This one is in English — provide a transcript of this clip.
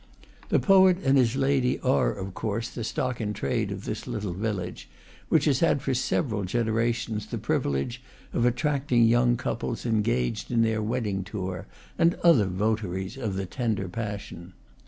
The poet and his lady are, of course, the stock in trade of the little village, which has had for several generations the privilege of attracting young couples engaged in their wedding tour, and other votaries of the tender passion.